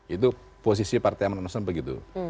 itu posisi partai amanat nasional begitu